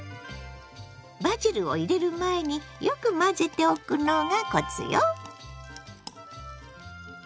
バジルを入れる前によく混ぜておくのがコツよ。